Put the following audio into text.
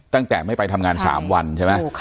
ตั้งแต่ไม่ไปทำงาน๓วันใช่ไหม